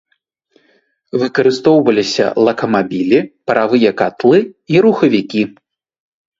Выкарыстоўваліся лакамабілі, паравыя катлы і рухавікі.